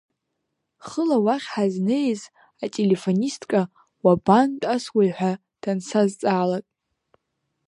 Хыла уахь ҳазнеиз ателефонистка уабантәасуеи ҳәа дансазҵаалак…